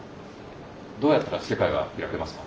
どうやったら世界は開けますか？